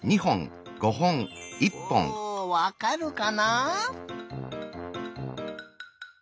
おわかるかな？